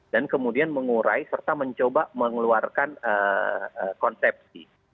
dan kemudian mengurai serta mencoba mengeluarkan konsepsi